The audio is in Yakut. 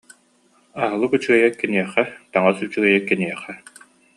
Аһылык үчүгэйэ киниэхэ, таҥас үчүгэйэ киниэхэ